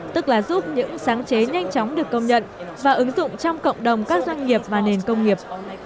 tức là giúp những sáng chế nhanh chóng được công nhận và ứng dụng trong cộng đồng các doanh nghiệp và nền công nghiệp